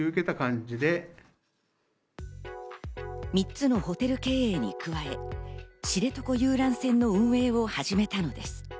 ３つのホテル経営に加え、知床遊覧船の運営を始めたのです。